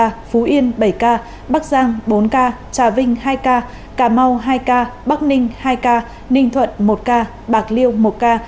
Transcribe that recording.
ca phú yên bảy ca bắc giang bốn ca trà vinh hai ca cà mau hai ca bắc ninh hai ca ninh thuận một ca bạc liêu một ca